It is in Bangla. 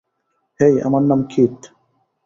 হেই, আমার নাম কিথ।